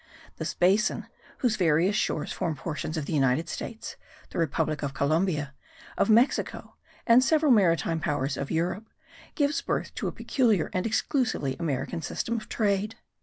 This basin, whose various shores form portions of the United States, of the republic of Columbia, of Mexico and several maritime powers of Europe, gives birth to a peculiar and exclusively American system of trade.